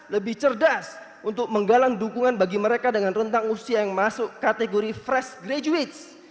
lebih cerdas untuk menggalang dukungan bagi mereka dengan rentang usia yang masuk kategori fresh graduate